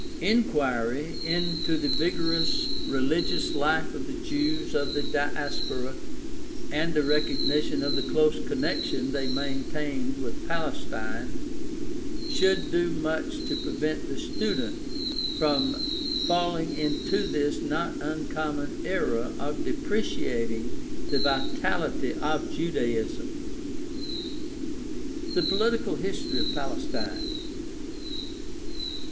Inquiry into the 250 GUIDE TO STUDY OF CHRISTIAN RELIGION vigorous religious life of the Jews of the Diaspora, and a recog nition of the close connection they maintained with Palestine, should do much to prevent the student from falling into this not uncommon error of depreciating the vitality of Judaism. The political history of Palestine.